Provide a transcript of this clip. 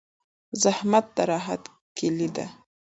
زحمت د راحت کیلي ده.